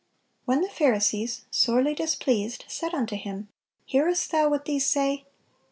(608) When the Pharisees, sorely displeased, said unto Him, "Hearest Thou what these say?"